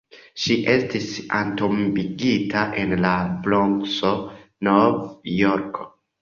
Ŝi estis entombigita en la Bronkso, Nov-Jorko.